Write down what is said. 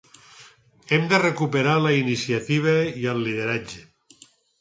Hem de recuperar la iniciativa i el lideratge.